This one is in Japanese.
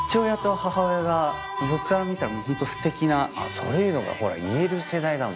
そういうのがほら言える世代だもん。